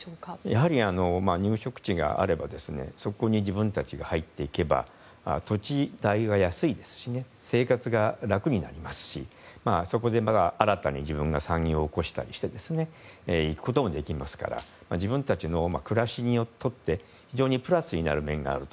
やはり、入植地があればそこに自分たちが入っていけば土地代が安いですし生活が楽になりますしそこで、また新たに自分が産業を起こしたりして自分たちの暮らしにとって非常にプラスになる面があると。